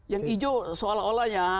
yang hijau seolah olah ya